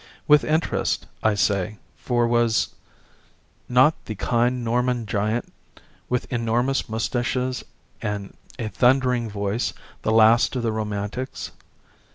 With interest, I say, for was not the kind Norman giant with enormous moustaches and a thundering voice the last of the Romantics?